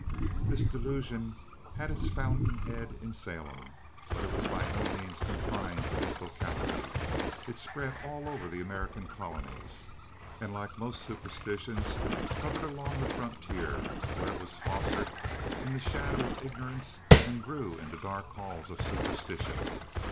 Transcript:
This delusion had its fountain head in Salem; but it was by no means confined to this locality. It spread all over the American colonies and, like most superstitions, hovered along the frontier, where it was fostered in the shadow of ignorance and grew in the dark halls of superstition.